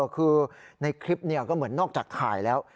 คือในคลิปก็เหมือนนอกจากถ่ายแล้ว